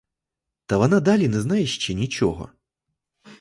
Та вона далі не знає ще нічого.